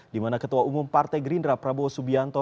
dimana ketua umum partai gerindra prabowo subianto